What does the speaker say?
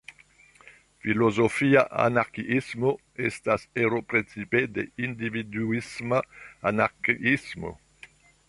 Filozofia anarkiismo "estas ero precipe de individuisma anarkiismo.